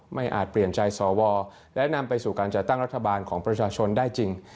อาจเปลี่ยนใจสวและนำไปสู่การจัดตั้งรัฐบาลของประชาชนได้จริง